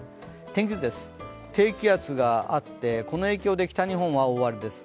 天気図です、低気圧があって、この影響で北日本は大荒れです。